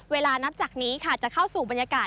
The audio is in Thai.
นับจากนี้ค่ะจะเข้าสู่บรรยากาศ